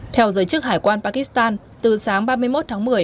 theo giới chức hải quan pakistan từ sáng ba mươi một tháng một mươi